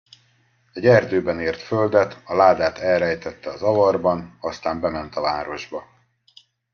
Egy erdőben ért földet, a ládát elrejtette az avarban, aztán bement a városba.